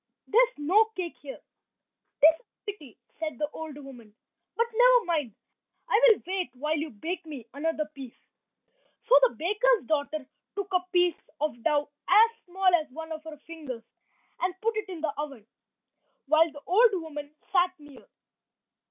There's no cake here." "'Tis a pity," said the old woman, "but never mind. I will wait while you bake me another piece." So the baker's daughter took a piece of dough as small as one of her fingers and put it in the oven, while the old woman sat near.